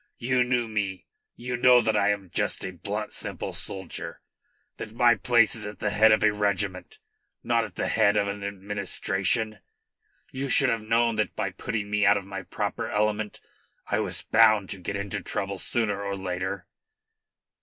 You knew me. You know that I am just a blunt, simple soldier that my place is at the head of a regiment, not at the head of an administration. You should have known that by putting me out of my proper element I was bound to get into trouble sooner or later."